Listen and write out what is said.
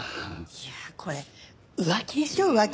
いやあこれ浮気でしょ浮気。